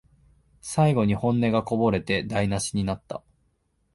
最後に本音がこぼれて台なしになった